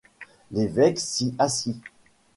L’évêque s’y assit.